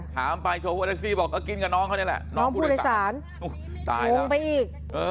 ถามไปโชเฟอร์แท็กซี่บอกก็กินกับน้องเขานี่แหละน้องผู้โดยสารตายงไปอีก